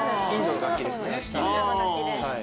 インドの楽器ですね